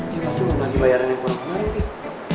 dia pasti mau bagi bayaran yang kurang kemarin fik